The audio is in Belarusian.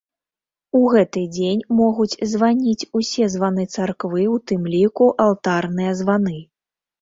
У гэты дзень могуць званіць усе званы царквы, у тым ліку алтарныя званы.